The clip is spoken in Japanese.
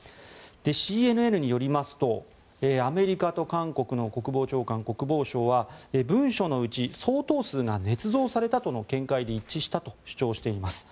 ＣＮＮによりますとアメリカと韓国の国防長官、国防相は文書のうち、相当数がねつ造されたとの見解で一致したと主張しています。